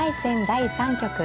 第３局。